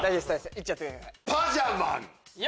いっちゃってください。